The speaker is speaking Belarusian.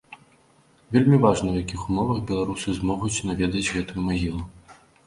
Вельмі важна ў якіх умовах беларусы змогуць наведаць гэтую магілу.